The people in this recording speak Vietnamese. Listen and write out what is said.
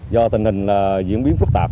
do tình hình diễn biến phức tạp